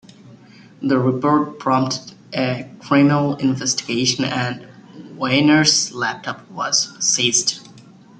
The report prompted a criminal investigation and Weiner's laptop was seized.